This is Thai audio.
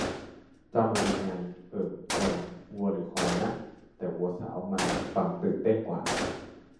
จามรี ไง เอ่อ มัน วัวหรือควายนะ แต่วัวสาวมันฟังตื่นเต้นกว่า